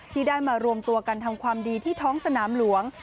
ที่ได้มารวมตัวกันทำความดีที่ท้องสนามหลวง